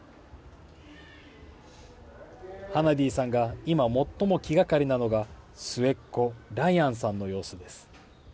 ハナディさんが今、最も気がかりなのが、末っ子、ラヤンさんの様子です。